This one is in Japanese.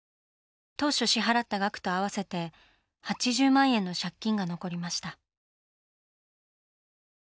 当初支払った額と合わせて８０万円の借金が残りました。